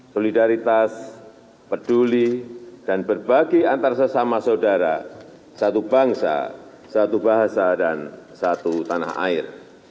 solidaritas peduli dan berbagi antar sesama saudara satu bangsa satu bahasa dan satu tanah air